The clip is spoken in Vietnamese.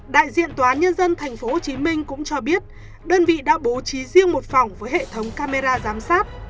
đại diện tòa án nhân dân tp hcm cũng cho biết đơn vị đã bố trí riêng một phòng với hệ thống camera giám sát